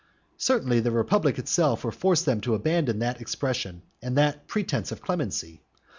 Certainly the republic itself will force them to abandon that expression and that pretence of clemency.